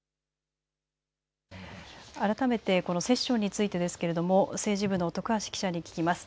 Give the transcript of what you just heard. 改めてセッションについて政治部の徳橋記者に聞きます。